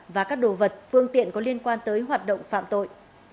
và các đồ vật phương tiện có liên quan tới hoạt động phạm tội